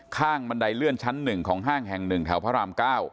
บันไดเลื่อนชั้น๑ของห้างแห่ง๑แถวพระราม๙